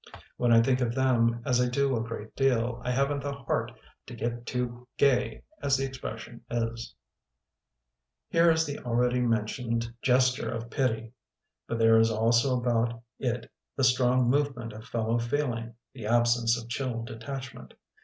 When I think of them, as I do a great deal, I haven't the heart to 'get too gay', as the expression is." Here is the already mentioned "ges ture of pity", but there is also about it the strong movement of fellow feel ing, the absence of chill detachment.